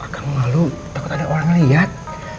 agak malu takut ada orang lihat